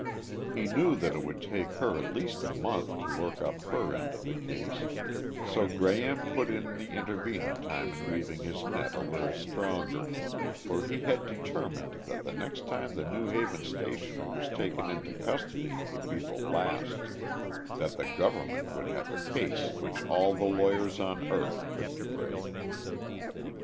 He knew that it would take her at least a month to work up her end of the case, so Graham put in the intervening time in weaving his net a little stronger, for he had determined that the next time the New Haven stationer was taken into custody would be the last that the government would have a case which all the lawyers on earth couldn't break.